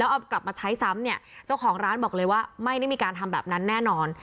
เอากลับมาใช้ซ้ำเนี่ยเจ้าของร้านบอกเลยว่าไม่ได้มีการทำแบบนั้นแน่นอน